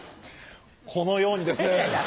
このようにですね。